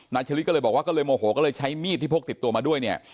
ชะลิดก็เลยบอกว่าก็เลยโมโหก็เลยใช้มีดที่พกติดตัวมาด้วยเนี่ย